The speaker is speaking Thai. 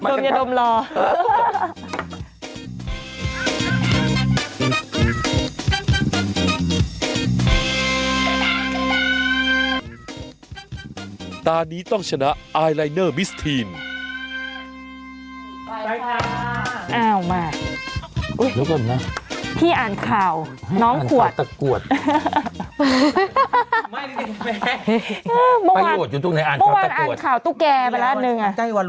ไปค่ะแล้วมาพี่อ่านข่าวน้องหวดอ๋อมงวานอ่านข่าวตู้แกไปละนึง